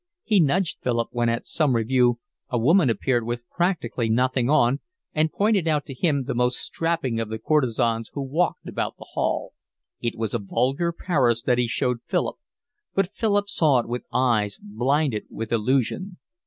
He nudged Philip when at some revue a woman appeared with practically nothing on, and pointed out to him the most strapping of the courtesans who walked about the hall. It was a vulgar Paris that he showed Philip, but Philip saw it with eyes blinded with illusion.